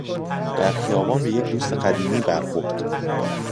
در خیابان به یک دوست قدیمی برخورد.